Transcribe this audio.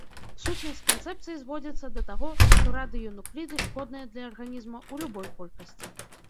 Сутнасць канцэпцыі зводзіцца да таго, што радыенукліды шкодныя для арганізма ў любой колькасці.